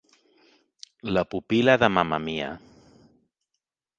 La pupil·la de Mamma Mia.